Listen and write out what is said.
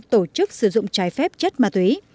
tổ chức sử dụng trái phép chất ma túy